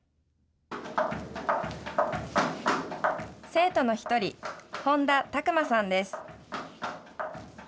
生徒の１人、本多琢馬さんです。